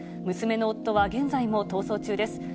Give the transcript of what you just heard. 娘の夫は現在も逃走中です。